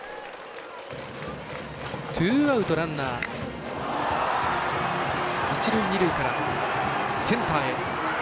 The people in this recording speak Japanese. ツーアウトランナー、一塁二塁からセンターへ。